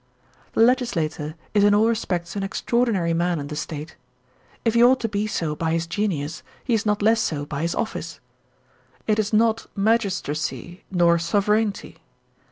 The^ legislator is in all respects an extraordinary man in the State. If he ought to be so by his genius, he is not less so by his office. It is not magistracy nor sover eignty.